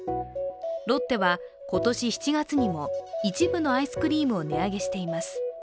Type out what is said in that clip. ロッテは今年７月にも一部のアイスクリームを値上げしています。